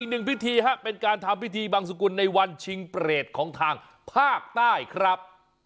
อีกหนึ่งพิธีฮะเป็นการทำพิธีบังสุกุลในวันชิงเปรตของทางภาคใต้ครับ